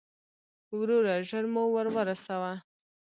وروره، ژر مو ور ورسوه.